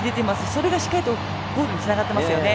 それがしっかりとゴールにつながってますね。